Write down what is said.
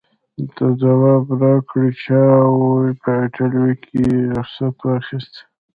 ده ځواب راکړ: چاو، په ایټالوي کې یې رخصت واخیست.